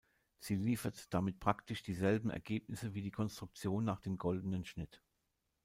Sie liefert damit praktisch dieselben Ergebnisse wie die Konstruktion nach dem Goldenen Schnitt.